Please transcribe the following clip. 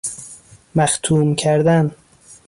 مختوم کردن